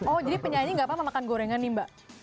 oh jadi penyanyi gak apa apa makan gorengan nih mbak